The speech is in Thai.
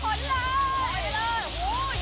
เป็นสายผนเลย